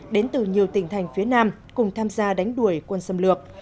đến từ nhiều tỉnh thành phía nam cùng tham gia đánh đuổi quân xâm lược